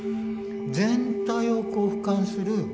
全体をふかんする